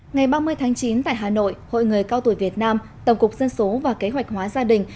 ngày ba mươi tháng chín tại hà nội hội người cao tuổi việt nam tổng cục dân số và kế hoạch hóa gia đình